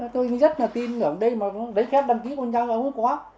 tôi rất là tin ngưỡng đây mà lấy khép đăng ký của nhà ông ấy quá